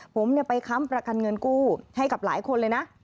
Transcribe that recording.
ผมไปค้ำประกันเงินกู้ให้กับหลายคนเลยนะ